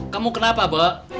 kamu kenapa bawa